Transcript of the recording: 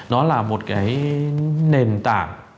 nó là một cái nền tảng